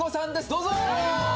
どうぞ！